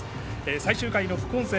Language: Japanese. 最終回の副音声